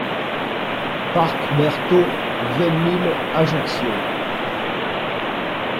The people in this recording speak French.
Parc Berthault, vingt mille Ajaccio